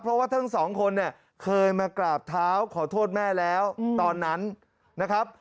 เพราะว่าทั้งสองคนเนี่ยเคยมากราบเท้าขอโทษแม่แล้วตอนนั้นนะครับ